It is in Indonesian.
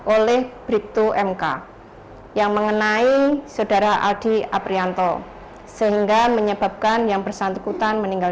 oleh bribtu mk yang mengenai saudara aldi aprianto sehingga menyebabkan yang bersangkutan meninggal